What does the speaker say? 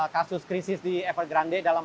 kasus krisis di evergrande dalam